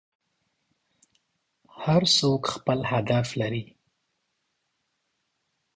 هر څوک خپل هدف لري.